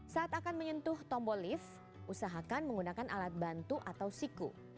saat akan menyentuh tombol lift usahakan menggunakan alat bantu atau siku